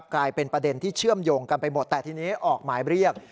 กลายเป็นประเด็นที่เชื่อมโยงกันไปหมดแต่ทีนี้ออกหมายเรียก